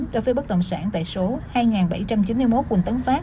đối với bất động sản tại số hai bảy trăm chín mươi một quỳnh tấn phát